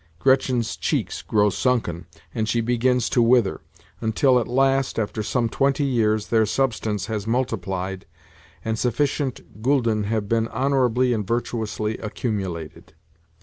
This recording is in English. Gretchen's cheeks grow sunken, and she begins to wither; until at last, after some twenty years, their substance has multiplied, and sufficient gülden have been honourably and virtuously accumulated.